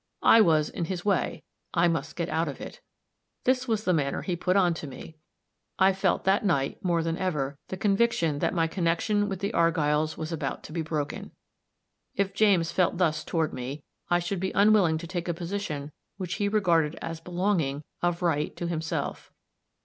I was in his way I must get out of it. This was the manner he put on to me. I felt that night, more than ever, the conviction that my connection with the Argylls was about to be broken. If James felt thus toward me, I should be unwilling to take a position which he regarded as belonging, of right, to himself.